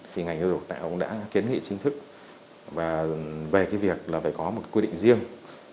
thì ngành ưu độc tạo cũng đã kiến nghị chính thức về cái việc là phải có một quy định riêng